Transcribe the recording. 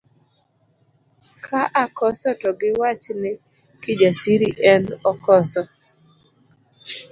Ka akoso to giwach ni Kijasiri en okoso.